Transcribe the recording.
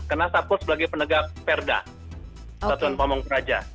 karena satpol sebagai penegak perda satuan pomong keraja